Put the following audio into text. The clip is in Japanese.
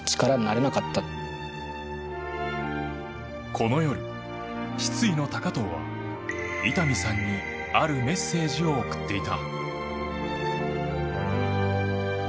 この夜、失意の高藤は伊丹さんにあるメッセージを送っていた。